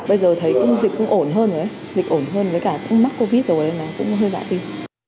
bây giờ thấy dịch cũng ổn hơn rồi đấy dịch ổn hơn với cả mắc covid rồi cũng hơi dạ tìm